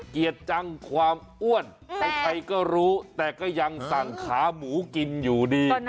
เกียรติจังความอ้วนใครก็รู้แต่ก็ยังสั่งขาหมูกินอยู่ดี